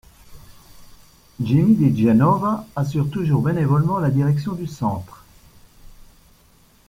Jimmy Di Genova assure toujours bénévolement la direction du Centre.